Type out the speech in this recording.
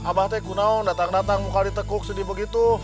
abah tuh kuno datang datang muka ditekuk sedih begitu